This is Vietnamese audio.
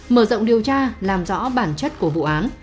mở rộng điều tra làm rõ bản chất của vụ án